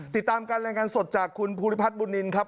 ติดตามการรายงานสดจากคุณภูริพัฒนบุญนินครับ